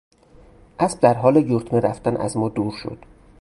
اسب در حال یورتمه رفتن از ما دور شد.